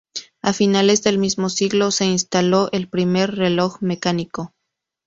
A finales del mismo siglo se instaló el primer reloj mecánico.